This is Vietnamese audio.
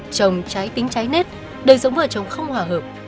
chồng trái tính trái nết đời giống vợ chồng không hòa hợp